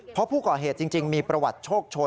เพราะผู้ก่อเหตุจริงมีประวัติโชคโชน